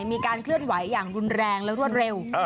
มีการเคลื่อนไหวอย่างรุนแรงและรวดเร็ว